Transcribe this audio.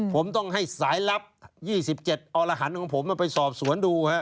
ผมต้องให้สายลับ๒๗อรหันต์ของผมไปสอบสวนดู